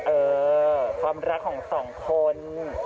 เออความรักของสองคน